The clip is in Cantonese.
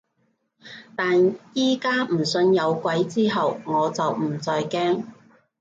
但而家唔信有鬼之後，我就唔再驚